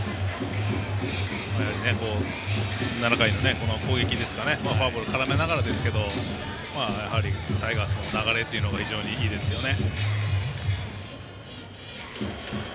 やはり、７回の攻撃フォアボール絡めながらですけどタイガースの流れというのが非常にいいですよね。